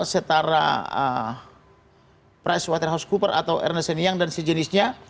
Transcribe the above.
setara pricewaterhousecoopers atau ernest and young dan sejenisnya